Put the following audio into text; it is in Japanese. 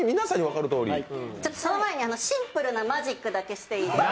その前にシンプルなマジックだけしていいですか？